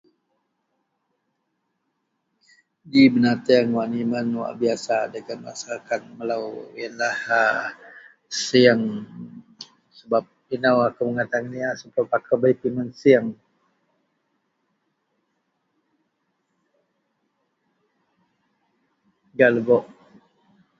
Ji benateang wak biasa nimen dagen maseraket melou yenlah sieng. Sebap inou akou mengata geniyau, sebap akou bei pimen sieng gak lebok.